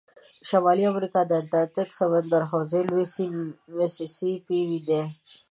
د شمال امریکا د اتلانتیک سمندر حوزې لوی سیند میسی سی پي دی.